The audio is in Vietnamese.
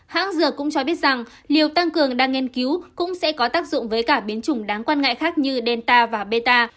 hãng dược cũng cho biết rằng liều tăng cường đang nghiên cứu cũng sẽ có tác dụng với cả biến chủng đáng quan ngại khác như delta và meta